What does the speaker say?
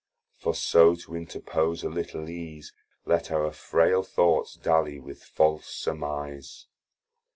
For so to interpose a little ease, Let our frail thoughts dally with false surmise.